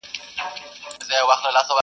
د سودا اخیستل هر چاته پلمه وه!!